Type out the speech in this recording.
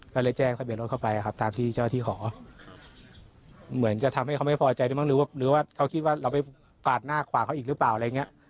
ก็เลยแจ้งทะเบียนรถเข้าไปครับตามที่เจ้าหน้าที่ขอเหมือนจะทำให้เขาไม่พอใจได้มั้งหรือว่าเขาคิดว่าเราไปปาดหน้าขวาเขาอีกหรือเปล่าอะไรอย่างเงี้ย